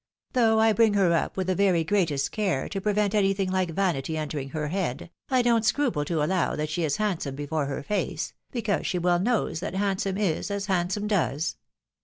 Though I bring her up with the very greatest care, to prevent anything like vanity entering her head, I don't scruple to allow that she is handsome before her face — ^because she weU knows that liand j2 148 THE WIDOW MARRIED. some is as handsome does.